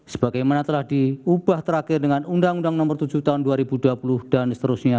sebagaimana telah diubah terakhir dengan undang undang nomor tujuh tahun dua ribu dua puluh dan seterusnya